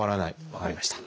分かりました。